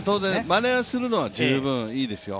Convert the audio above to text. まねするのは十分いいですよ。